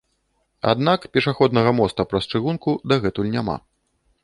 Аднак, пешаходнага моста праз чыгунку дагэтуль няма.